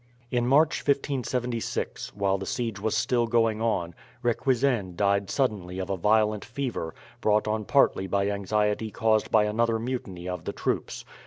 In March, 1576, while the siege was still going on, Requesens died suddenly of a violent fever, brought on partly by anxiety caused by another mutiny of the troops.